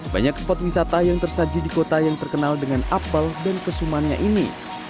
banyak spot wisata yang tersaji di kota yang terkenal dengan apel dan kesumannya ini